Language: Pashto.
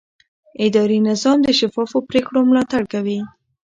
اداري نظام د شفافو پریکړو ملاتړ کوي.